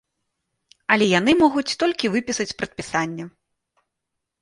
Але яны могуць толькі выпісаць прадпісанне.